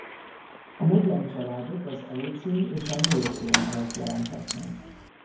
A modern családok az eocén és a miocén alatt jelentek meg.